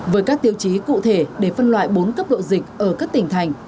với các tiêu chí cụ thể để phân loại bốn cấp độ dịch ở các tỉnh thành